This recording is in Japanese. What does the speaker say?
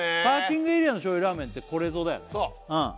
パーキングエリアの醤油ラーメンってこれぞだよね